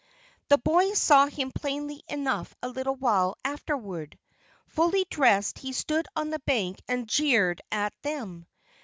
The boys saw him plainly enough a little while afterward. Fully dressed he stood on the bank and jeered at them.